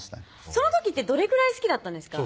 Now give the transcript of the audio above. その時ってどれくらい好きだったんですか？